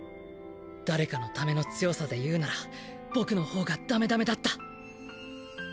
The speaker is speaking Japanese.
誰かの為の強さで言うなら僕の方がダメダメだった。